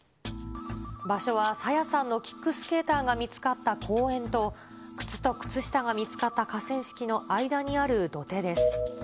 場所は朝芽さんのキックスケーターが見つかった公園と、靴と靴下が見つかった河川敷の間にある土手です。